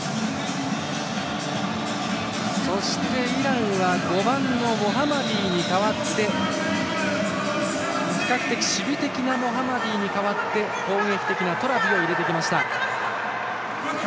そしてイランは５番、モハマディに代わって比較的守備的なモハマディに代わって攻撃的なトラビを入れてきました。